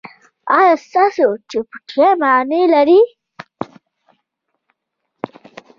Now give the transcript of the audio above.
ایا ستاسو چوپتیا معنی لري؟